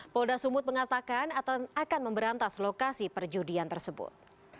polda sumut mengatakan akan memberantas lokasi perjudian tersebut